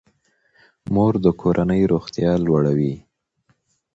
مور د کورنۍ روغتیا لوړوي.